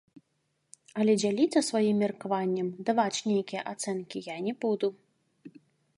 Але дзяліцца сваім меркаваннем, даваць нейкія ацэнкі я не буду.